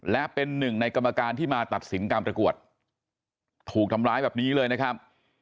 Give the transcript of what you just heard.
และเป็นหนึ่งในกรรมการที่มาตัดสินการประกวดถูกทำร้ายแบบนี้เลยนะครับ